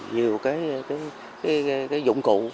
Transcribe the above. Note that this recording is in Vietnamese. nhiều dụng cụ